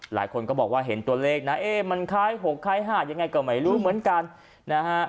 หลายคนก็บอกว่าเห็นตัวเลขนะเอ๊ะมันคล้าย๖คล้าย๕ยังไงก็ไม่รู้เหมือนกันนะฮะ